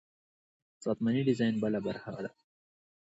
ساختماني ډیزاین بله برخه ده.